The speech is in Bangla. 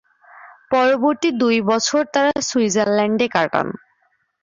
পরবর্তী দুই বছর তারা সুইজারল্যান্ডে কাটান।